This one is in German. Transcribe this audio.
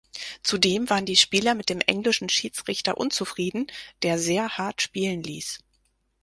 Zudem waren die Spieler mit dem englischen Schiedsrichter unzufrieden, der sehr hart spielen ließ.